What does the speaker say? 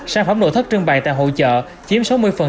sản phẩm nội thất trưng bày tại hội trợ chiếm sáu mươi